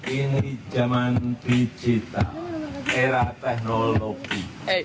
ini zaman digital era teknologi